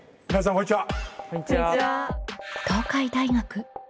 こんにちは。